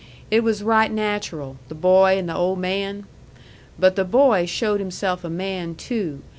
It was right natural the boy and the old man! But the boy showed himself a man too.